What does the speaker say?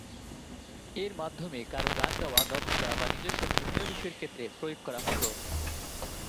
এর মাধ্যমে কারও গান গাওয়া দক্ষতা বা নিজস্ব ধর্মীয় বিষয়ের ক্ষেত্রে প্রয়োগ করা হতো।